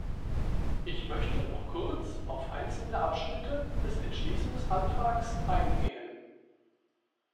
Ich möchte noch kurz auf einzelne Abschnitte des Entschließungsantrags eingehen.